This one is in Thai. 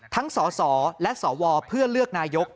สสและสวเพื่อเลือกนายก